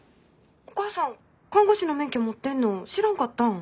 お母さん看護師の免許持ってるの知らんかったん？